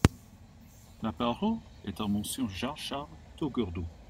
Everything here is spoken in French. La parole est à Monsieur Jean-Charles Taugourdeau.